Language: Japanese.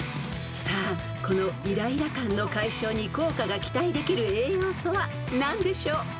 ［さあこのイライラ感の解消に効果が期待できる栄養素は何でしょう？］